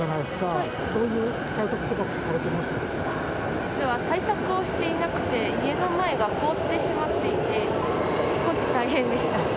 実は対策をしていなくて、家の前が凍ってしまっていて、少し大変でした。